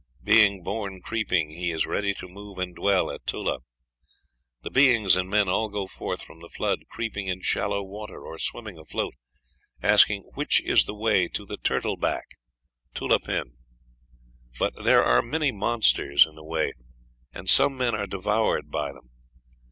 Being born creeping, he is ready to move and dwell at Tula. The beings and men all go forth from the flood creeping in shallow water or swimming afloat, asking which is the way to the turtle back, Tula pin. But there are many monsters in the way, and some men were devoured by them.